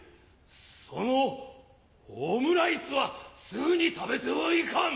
そのオムライスはすぐに食べてはいかん！